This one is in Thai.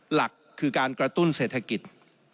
หลักคือการกระตุ้นเศรษฐกิจ